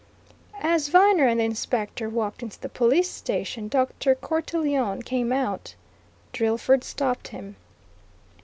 As Viner and the Inspector walked into the police station, Dr. Cortelyon came out. Drillford stopped him.